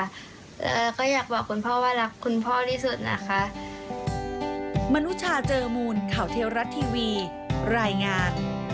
แล้วก็อยากบอกคุณพ่อว่ารักคุณพ่อที่สุดนะคะ